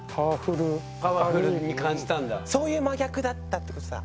そういう真逆だったってことだ。